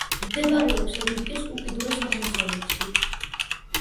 მდებარეობს ეგვიპტის უკიდურეს აღმოსავლეთში.